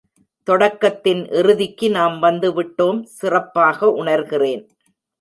தொடக்கத்தின் இறுதிக்கு நாம் வந்துவிட்டோம், சிறப்பாக உணர்கிறேன்!